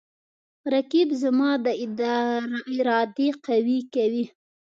رقیب زما د ارادې قوی کوي